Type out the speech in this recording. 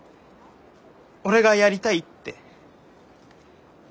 俺がやりたいって。